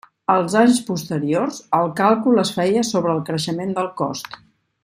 Els anys posteriors, el càlcul es feia sobre el creixement del cost.